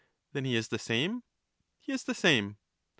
Then he is the same? He is the same.